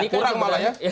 kurang malah ya